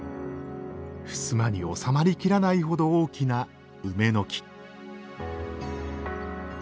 襖に収まりきらないほど大きな梅の木。